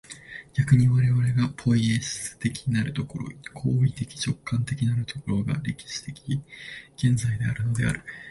逆に我々がポイエシス的なる所、行為的直観的なる所が、歴史的現在であるのである。